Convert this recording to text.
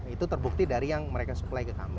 itu terbukti dari yang mereka supply ke kami